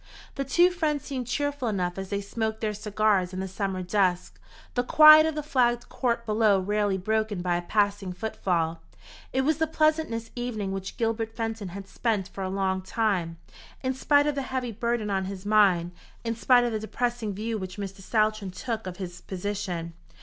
The two friends seemed cheerful enough as they smoked their cigars in the summer dusk, the quiet of the flagged court below rarely broken by a passing footfall. It was the pleasantest evening which Gilbert Fenton had spent for a long time, in spite of the heavy burden on his mind, in spite of the depressing view which Mr. Saltram took of his position.